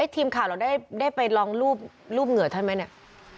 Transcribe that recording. ทีมข่าวเราได้ไปลองรูปเหงื่อท่านไหมเนี่ย